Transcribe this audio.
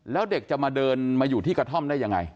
แล้วเด็กจะมาเดินมาอยู่ที่กระท่อมได้ยังไง